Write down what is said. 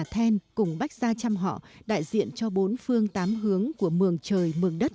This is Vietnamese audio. tết cơm mới